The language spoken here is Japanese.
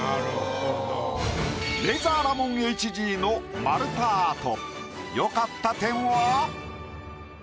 レイザーラモン・ＨＧの丸太アート。